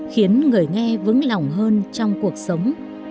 khiến người nghe vững lòng hơn trong cuộc sống